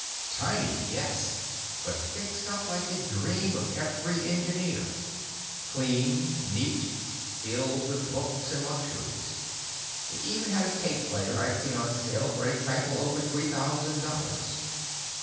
Tiny, yes, but fixed up like the dream of every engineer. Clean, neat, filled with books and luxuries. He even had a tape player I'd seen on sale for a trifle over three thousand dollars.